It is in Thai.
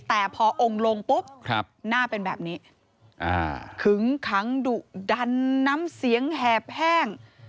แต่พอองค์ลงปุ๊บหน้าเป็นแบบนี้ขึงขังดุดันน้ำเสียงแหบแห้ง